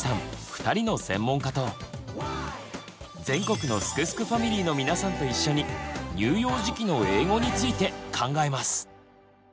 ２人の専門家と全国の「すくすくファミリー」の皆さんと一緒に乳幼児期の英語について考えます！